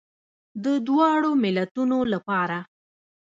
د دواړو ملتونو لپاره.